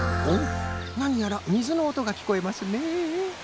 なにやらみずのおとがきこえますね。